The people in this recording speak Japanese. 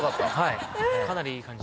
かなりいい感じですね。